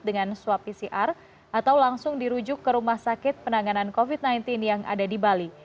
dengan swab pcr atau langsung dirujuk ke rumah sakit penanganan covid sembilan belas yang ada di bali